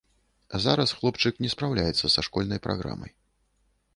Зараз хлопчык не спраўляецца са школьнай праграмай.